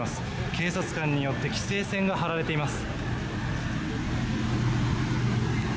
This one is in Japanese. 警察官によって規制線が張られています。